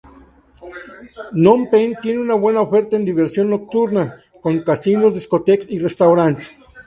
Nom Pen tiene una buena oferta en diversión nocturna con casinos, discotecas, y restaurantes.